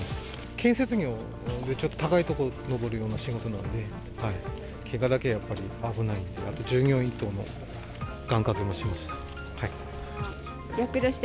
建設業なので、ちょっと高い所上るような仕事なので、けがだけはやっぱり、危ないので、あと従業員等の願かけもしました。